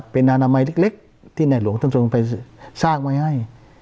เป็นนานไม้เล็กที่แน่หลวงต้องสร้างให้